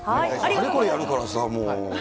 あれこれやるからさ。